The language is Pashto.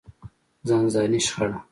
ځانځاني شخړه.